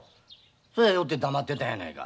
そやよって黙ってたんやないか。